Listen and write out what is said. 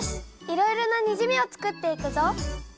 いろいろなにじみを作っていくぞ。